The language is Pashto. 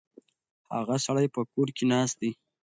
هغه سړی په کور کې ناست دی.